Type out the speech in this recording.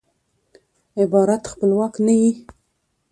عبارت خپلواک نه يي.